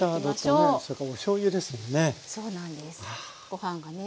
ご飯がね